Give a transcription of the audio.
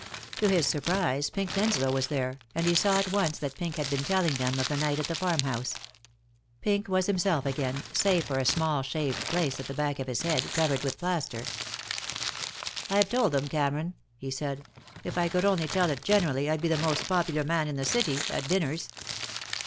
To his surprise Pink Denslow was there, and he saw at once that Pink had been telling them of the night at the farm house. Pink was himself again, save for a small shaved place at the back of his head, covered with plaster. "I've told them, Cameron," he said. "If I could only tell it generally I'd be the most popular man in the city, at dinners."